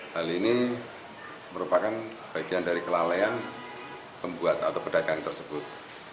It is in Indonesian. hal ini merupakan bagian dari kelalaian pembuat atau pedagang tersebut